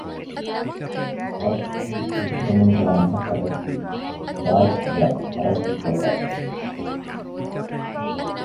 ލޯންޗްތަކެއްގެ ހަލް މަރާމާތުކޮށްދޭނެ ފަރާތެއް ހޯދުމަށް ބޭނުންވެއްޖެއެވެ